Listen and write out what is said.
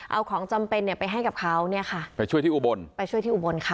เอาของจำเป็นเนี่ยไปให้กับเขาเนี่ยค่ะไปช่วยที่อุบลไปช่วยที่อุบลค่ะ